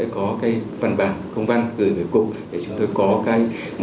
có cái phần bàn công văn gửi về cụ để chúng tôi có một cái cơ sở